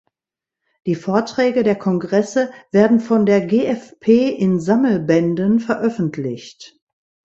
Die Vorträge der Kongresse werden von der GfP in Sammelbänden veröffentlicht.